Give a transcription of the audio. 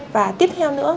và tiếp theo nữa